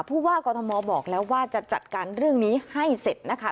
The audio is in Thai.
ผู้ว่ากรทมบอกแล้วว่าจะจัดการเรื่องนี้ให้เสร็จนะคะ